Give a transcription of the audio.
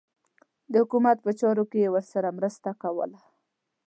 د حکومت په چارو کې یې ورسره مرسته کوله.